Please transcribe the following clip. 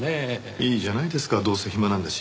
いいじゃないですかどうせ暇なんだし。